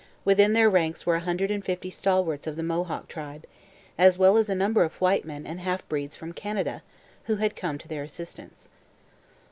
Within their ranks were a hundred and fifty stalwarts of the Mohawk tribe, as well as a number of white men and half breeds from Canada, who had come to their assistance.